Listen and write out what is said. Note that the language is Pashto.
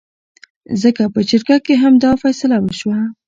ځکه په جرګه کې هم دا فيصله وشوه